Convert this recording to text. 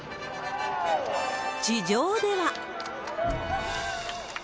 地上では。